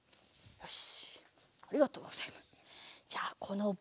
よし！